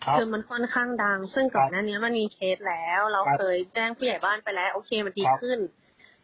คือมันค่อนข้างดังซึ่งก่อนหน้านี้มันมีเคสแล้วเราเคยแจ้งผู้ใหญ่บ้านไปแล้วโอเคมันดีขึ้น